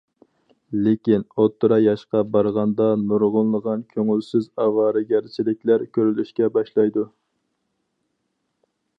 لېكىن، ئوتتۇرا ياشقا بارغاندا نۇرغۇنلىغان كۆڭۈلسىز ئاۋارىگەرچىلىكلەر كۆرۈلۈشكە باشلايدۇ.